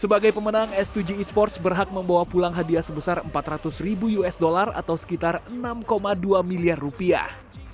sebagai pemenang s dua g e sports berhak membawa pulang hadiah sebesar empat ratus ribu usd atau sekitar enam dua miliar rupiah